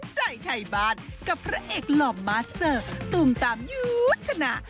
ใจไทยบ้านกับพระเอกหล่อมาสเซอร์ตูมตามยุทธนา